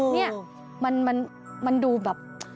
นี่มันดูแบบ